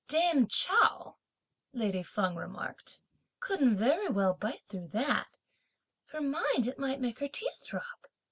"Dame Chao," lady Feng remarked, "couldn't very well bite through that, for mind it might make her teeth drop!